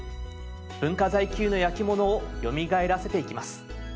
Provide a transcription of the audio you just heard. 文化財級の焼き物をよみがえらせていきます。